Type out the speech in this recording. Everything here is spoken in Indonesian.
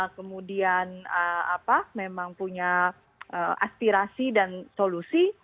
kemudian memang punya aspirasi dan solusi